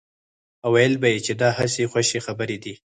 او ويل به يې چې دا هسې خوشې خبرې دي.